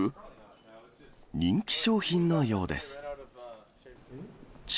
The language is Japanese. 人気商品のようです。